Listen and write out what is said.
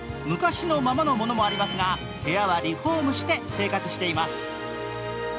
昔のままのものもありますが部屋はリフォームして生活しています。